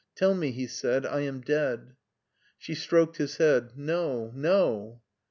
Tell me," he said, " I am dead." She stroked his head. " No, no.